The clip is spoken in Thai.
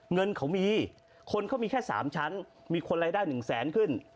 เงินเขามีคนเขามีแค่๓ชั้นมีคนรายได้๑แสนขึ้น